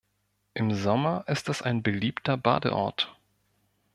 Im Sommer ist es ein beliebter Badeort.